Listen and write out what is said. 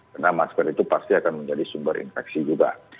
karena masker itu pasti akan menjadi sumber infeksi juga